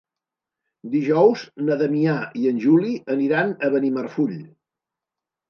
Dijous na Damià i en Juli aniran a Benimarfull.